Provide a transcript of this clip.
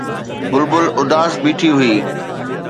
بلبل اداس بيٺي هئي